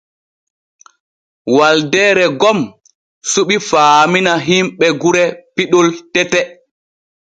Waldeere gom suɓi faamina himɓe gure piɗol tete.